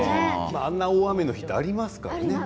あんな大雨の日はありますからね。